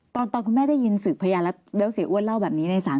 ตอนตอนคุณแม่ได้ยินสืบพยานแล้วแล้วเสียอ้วนเล่าแบบนี้ในศาล